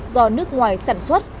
do nước ngoài sản xuất